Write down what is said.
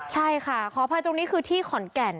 ใช่ค่ะขออภัยตรงนี้คือที่ขอนแก่น